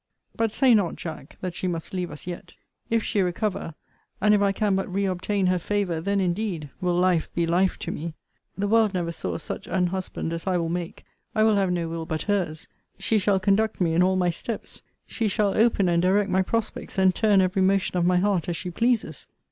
But say not, Jack, that she must leave us yet. If she recover, and if I can but re obtain her favour, then, indeed, will life be life to me. The world never saw such an husband as I will make. I will have no will but her's. She shall conduct me in all my steps. She shall open and direct my prospects, and turn every motion of my heart as she pleases.